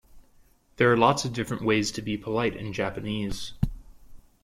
There are lots of different ways to be polite in Japanese.